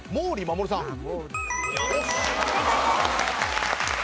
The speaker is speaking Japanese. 正解です。